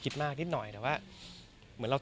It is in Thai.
ก็มีไปคุยกับคนที่เป็นคนแต่งเพลงแนวนี้